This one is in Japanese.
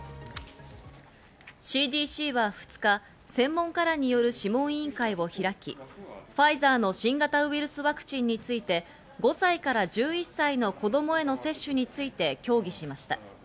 ＣＤＣは２日、専門家らによる諮問委員会を開き、ファイザーの新型ウイルスワクチンについて５歳から１１歳の子供への接種について協議しました。